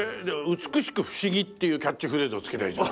「美しく不思議」っていうキャッチフレーズをつければいいじゃない。